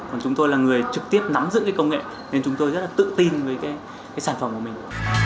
còn chúng tôi là người trực tiếp nắm giữ cái công nghệ nên chúng tôi rất là tự tin với cái sản phẩm của mình